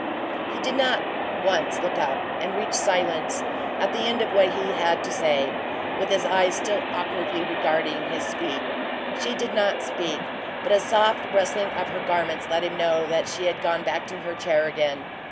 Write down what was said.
He did not once look up, and reached silence, at the end of what he had to say, with his eyes still awkwardly regarding his feet. She did not speak, but a soft rustling of her garments let him know that she had gone back to her chair again.